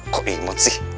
kok imut sih